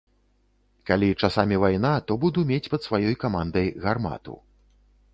Калі часамі вайна, то буду мець пад сваёй камандай гармату.